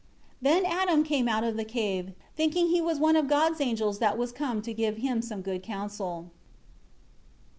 13 Then Adam came out of the cave, thinking he was one of God's angels that was come to give him some good counsel.